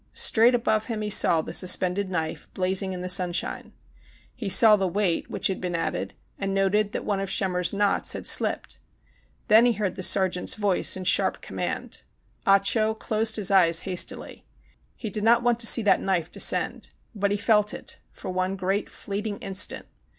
Straight above him he saw the suspended knife blazing in the sunshine. He saw the weight which had been added, and noted that one of Schemmer's knots had slipped. Then he heard the sergeant's voice in sharp command. Ah Cho closed his eyes hastily. He did not want to see that knife descend. But he felt it ã for one great fleeting instant.